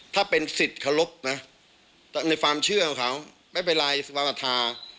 ถ้าเป็นสิทธิ์ขอรบนะในความเชื่อของเขาไม่เป็นไรสวรรค์อัตภา